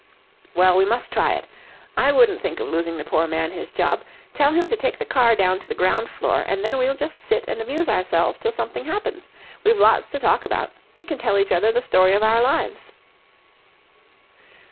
"Well, we must try it. I wouldn't think of losing the poor man his job. Tell him to take the car down to the ground floor, and then we'll just sit and amuse ourselves till something happens. We've lots to talk about. We can tell each other the story of our lives."